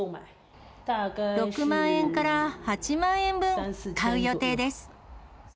６万円から８万円分、買う予定です。